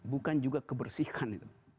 bukan juga kebersihan itu